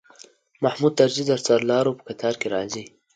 محمود طرزی د سرلارو په قطار کې راځي.